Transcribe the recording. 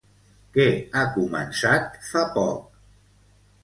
Què ha començat fa poc?